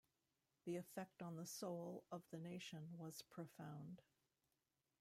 The effect on the soul of the nation was profound.